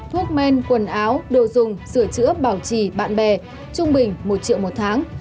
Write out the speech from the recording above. thuốc men quần áo đồ dùng sửa chữa bảo trì bạn bè trung bình một triệu một tháng